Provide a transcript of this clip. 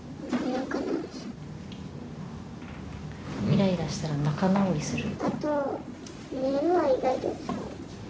イライラしたら仲直りする。